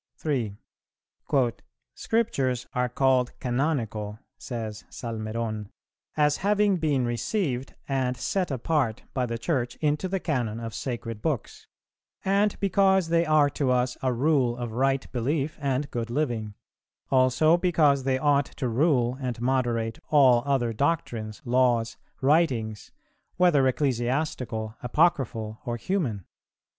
3. "Scriptures are called canonical," says Salmeron, "as having been received and set apart by the Church into the Canon of sacred books, and because they are to us a rule of right belief and good living; also because they ought to rule and moderate all other doctrines, laws, writings, whether ecclesiastical, apocryphal, or human.